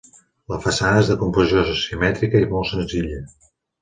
La façana és de composició simètrica i molt senzilla.